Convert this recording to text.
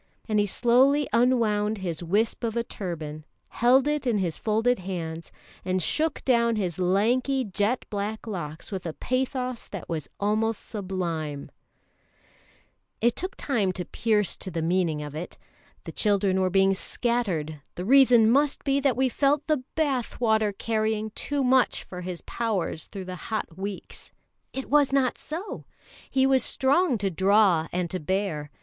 '" And he slowly unwound his wisp of a turban, held it in his folded hands, and shook down his lanky, jet black locks with a pathos that was almost sublime. [Illustration: THE BELOVED TINGALU.] It took time to pierce to the meaning of it: the children were being scattered the reason must be that we felt the bath water carrying too much for his powers through the hot weeks. It was not so! He was strong to draw and to bear.